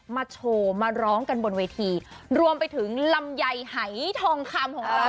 มาโชว์มาร้องกันบนเวทีรวมไปถึงลำไยหายทองคำของเรา